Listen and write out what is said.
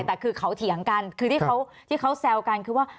แต่คือเขาเถียงกันคือที่เขาแซวกันคือว่า